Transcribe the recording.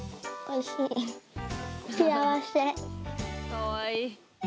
かわいい。